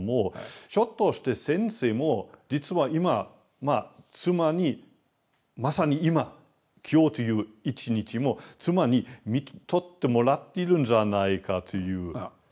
ひょっとして先生も実は今妻にまさに今今日という一日も妻に看取ってもらっているんじゃないかというそういう感覚で。